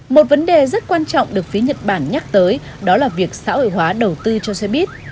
một vấn đề rất quan trọng được phía nhật bản nhắc tới đó là việc xã hội hóa đầu tư cho xe buýt